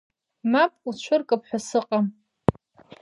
Мап уцәыркып ҳәа сыҟам.